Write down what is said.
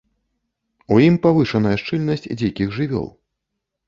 У ім павышаная шчыльнасць дзікіх жывёл.